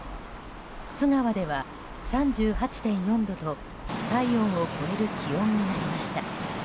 津川では３８．４度と体温を超える気温になりました。